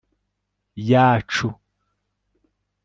yacu